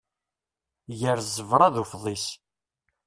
Gar ẓẓebra d ufḍis.